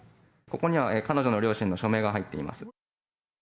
ここには彼女の両親の署名が入っています。